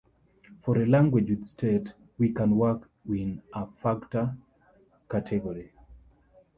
For a language with state, we can work in a functor category.